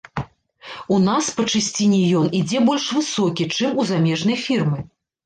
У нас па чысціні ён ідзе больш высокі, чым у замежнай фірмы.